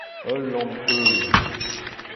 Ul lamm euzhus !